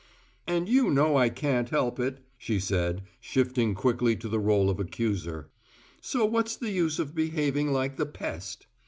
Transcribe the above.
"And you know I can't help it," she said, shifting quickly to the role of accuser. "So what's the use of behaving like the Pest?"